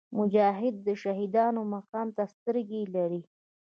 مجاهد د شهیدانو مقام ته سترګې لري.